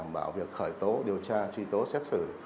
vào việc khởi tố điều tra truy tố xét xử